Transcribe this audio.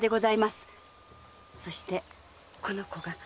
そしてこの子が。